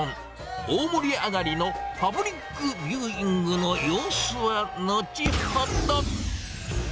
大盛り上がりのパブリックビューイングの様子は後ほど。